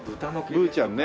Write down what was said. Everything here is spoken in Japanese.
ブーちゃんね。